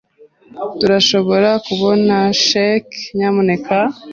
Turashobora kubona cheque, nyamuneka?